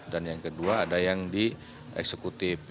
dan yang kedua ada yang di eksekutif